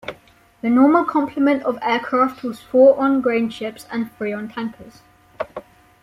The normal complement of aircraft was four on grain ships and three on tankers.